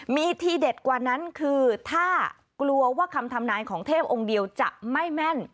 มีทีเด็ดกว่านั้นคือถ้ากลัวว่าคำทำนายของเทพองค์เดียวจะไม่แม่น